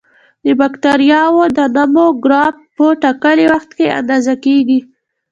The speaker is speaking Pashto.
د بکټریاوو د نمو ګراف په ټاکلي وخت کې اندازه کیږي.